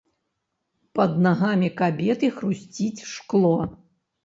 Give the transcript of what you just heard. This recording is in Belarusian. Пад нагамі кабеты хрусціць шкло.